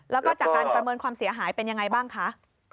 แล้วก็จากการประเมินความเสียหายเป็นยังไงบ้างคะ